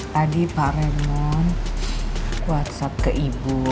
tadi pak remon whatsapp ke ibu